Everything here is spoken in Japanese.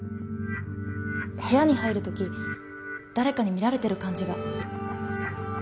部屋に入る時誰かに見られてる感じが。